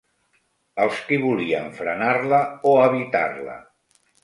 ...els qui volien frenar-la o evitar-la